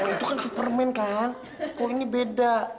itu kan superman kan oh ini beda